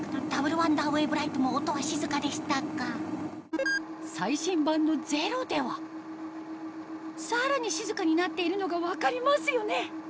ワンダーウェーブライトも音は静かでしたが最新版のゼロではさらに静かになっているのが分かりますよね